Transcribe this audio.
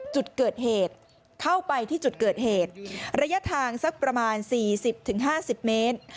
จุดเกิดเหตุเข้าไปที่จุดเกิดเหตุระยะทางสักประมาณ๔๐๕๐เมตร